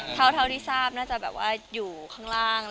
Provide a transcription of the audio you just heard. เท่าที่ทราบน่าจะแบบว่าอยู่ข้างล่าง